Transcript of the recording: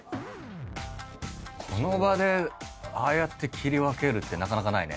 この場でああやって切り分けるってなかなかないね。